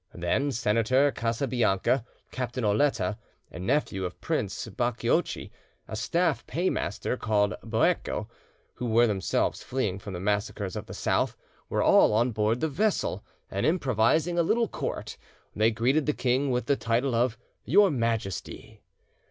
Then Senator Casabianca, Captain Oletta, a nephew of Prince Baciocchi, a staff paymaster called Boerco, who were themselves fleeing from the massacres of the South, were all on board the vessel, and improvising a little court, they greeted the king with the title of "your Majesty."